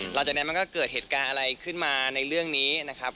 หลังจากนั้นมันก็เกิดเหตุการณ์อะไรขึ้นมาในเรื่องนี้นะครับ